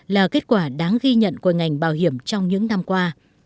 là kết quả đáng ghi nhận của ngành bảo hiểm trong những năm qua